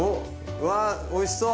うわおいしそう！